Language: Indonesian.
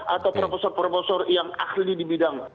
atau prof prof yang ahli di bidang